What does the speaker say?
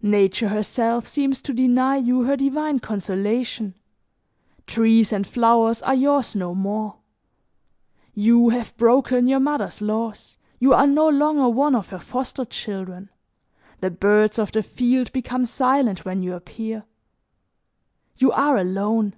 Nature herself seems to deny you her divine consolation; trees and flowers are yours no more; you have broken your mother's laws, you are no longer one of her foster children, the birds of the field become silent when you appear. You are alone!